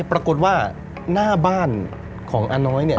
ปรากฏว่าหน้าบ้านของอาน้อยเนี่ย